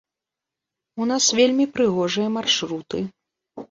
У нас вельмі прыгожыя маршруты.